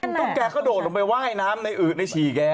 ตรงนั้นแกก็โดดลงไปว่ายน้ำในอืดในชีแก